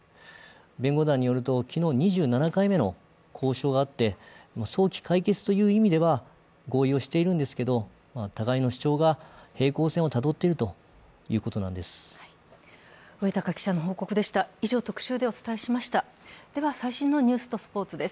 弁護団によると、昨日、２７回目の交渉があって、早期解決という意味では合意をしているんですが、互いの主張が平行線をたどっているということなんです。